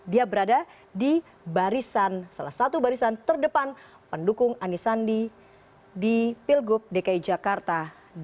dia berada di barisan salah satu barisan terdepan pendukung anisandi di pilgub dki jakarta dua ribu delapan belas